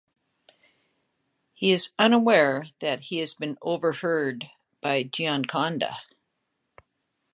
He is unaware that he has been overheard by Gioconda.